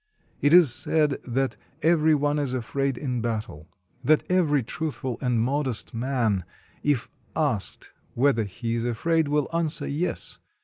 It is said that every one is afraid in battle; that every truthful and modest man, if asked whether he is afraid, will answer "Yes."